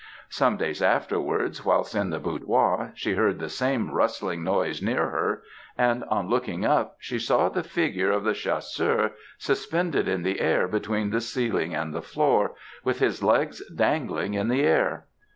Some days afterwards, whilst in the boudoir, she heard the same rustling noise near her, and on looking up, she saw the figure of the Chasseur suspended in the air between the ceiling and the floor, with his legs dangling in the air.